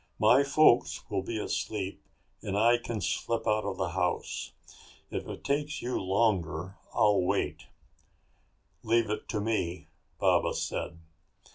My folks will be asleep and I can slip out of the house. If it takes you longer, I'll wait." "Leave it to me," Baba said.